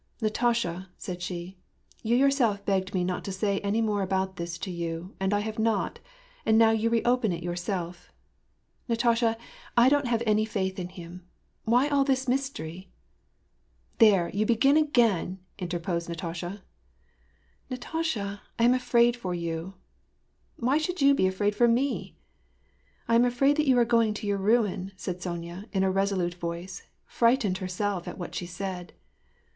" Natasha," said she, " you yourself begged me not to say any more about this to you, and I have not ; and now you re open it yourself. Natasha, I don't have any faith in him. Why all this mystery ?"" There, you begin again !" interposed Natasha. " Natasha, I am afraid for you." " Why should you be afraid for me ?"'^ I am afraid that you are going to your ruin," said Sonya, in a resolute voice, frightened herself at what she said.